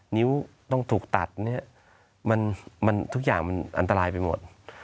นิ้วต้องถูกตัดเนี่ยมันทุกอย่างมันอันตรายไปหมด